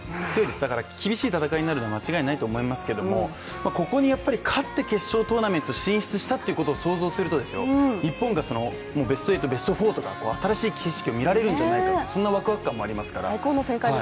だから、厳しい戦いになるのは間違いないと思いますがここに勝って決勝トーナメント進出したということを想像すると、日本がベスト８、ベスト４とか新しい景色を見られるんじゃないかというそんなワクワク感もありますから。